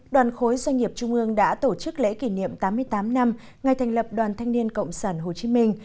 đoàn khối doanh nghiệp trung ương đã tổ chức lễ kỷ niệm tám mươi tám năm ngày thành lập đoàn thanh niên cộng sản hồ chí minh